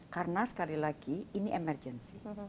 karena sekali lagi ini emergency